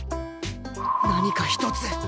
何か一つ